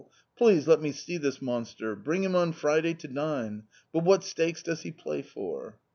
Please let me see this monster, bring him on Friday to dine ! But what stakes does he play for?"